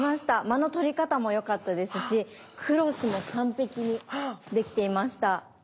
間の取り方も良かったですしクロスも完璧にできていました。